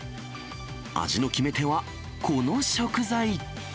味の決め手は、この食材。